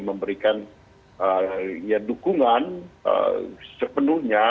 memberikan ya dukungan sepenuhnya